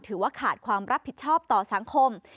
ถือว่าขาดความรับผิดชอบต่อสังคม